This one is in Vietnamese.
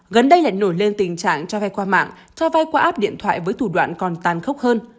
gần đây lại nổi lên tình trạng cho vay qua mạng cho vay qua app điện thoại với thủ đoạn còn tàn khốc hơn